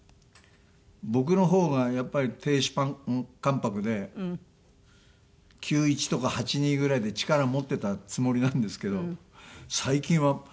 僕のほうがやっぱり亭主関白で９１とか８２ぐらいで力持ってたつもりなんですけど最近は逆転しましたね。